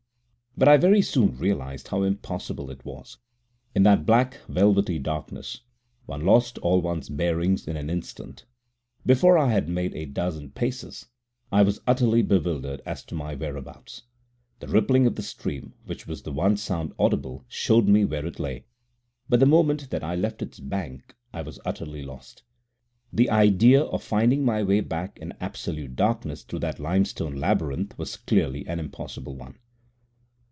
But I very soon realized how impossible it was. In that black, velvety darkness one lost all one's bearings in an instant. Before I had made a dozen paces, I was utterly bewildered as to my whereabouts. The rippling of the stream, which was the one sound audible, showed me where it lay, but the moment that I left its bank I was utterly lost. The idea of finding my way back in absolute darkness through that limestone labyrinth was clearly an impossible one.